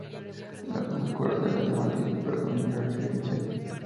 Las últimas cuadras de la vía mantienen su predominio residencial.